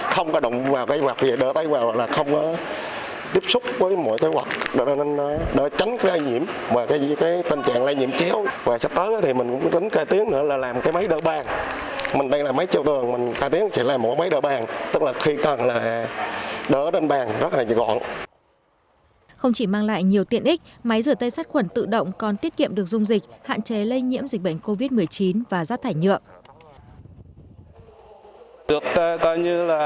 không chỉ mang lại nhiều tiện ích máy rửa tay sát khuẩn tự động còn tiết kiệm được dung dịch hạn chế lây nhiễm dịch bệnh covid một mươi chín và giác thải nhựa